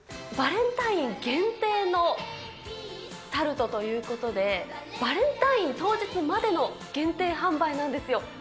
バレンタイン限定のタルトということで、バレンタイン当日までの限定販売なんですよ。